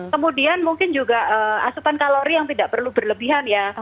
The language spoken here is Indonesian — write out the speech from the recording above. kemudian mungkin juga asupan kalori yang tidak perlu berlebihan ya